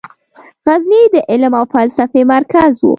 غزني د علم او فلسفې مرکز و.